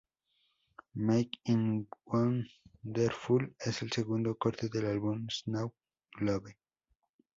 Make It Wonderful es el segundo corte del álbum Snow Globe.